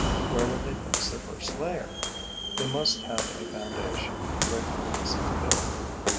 Where would they fix their first layer? They must have a foundation, quick and easy to build.